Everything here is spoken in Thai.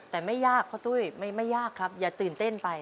แต่ไม่ยากพ่อตุ้ยไม่ยากครับอย่าตื่นเต้นไป